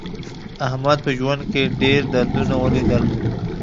احمد په ژوند کې ډېر دردونه ولیدل.